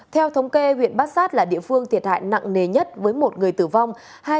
theo thống kê huyện bát sát là địa phương thiệt hại nặng nề nhất với một người tử vong